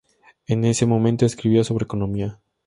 En ese momento escribió sobre economía.